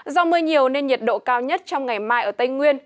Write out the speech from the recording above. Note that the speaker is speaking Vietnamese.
do mưa nhiều nên nhiệt độ cao nhất trong ngày mai ở tây nguyên